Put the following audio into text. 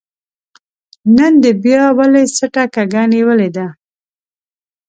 نن دې بيا ولې څټه کږه نيولې ده